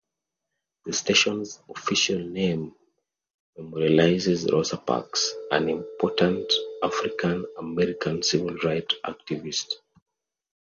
The station's official name memorializes Rosa Parks, an important African-American civil rights activist.